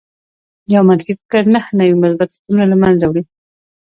يو منفي فکر نهه نوي مثبت فکرونه لمنځه وړي